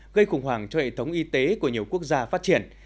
gây khủng hoảng cho hệ thống y tế của nhiều quốc gia phát triển